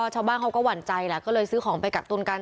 ชาวบ้านเขาก็หวั่นใจแหละก็เลยซื้อของไปกักตุนกัน